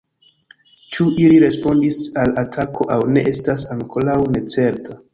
Ĉu ili respondis al atako aŭ ne estas ankoraŭ ne certa.